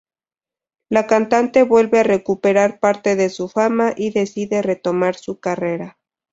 La cantante vuelve a recuperar parte de su fama, y decide retomar su carrera.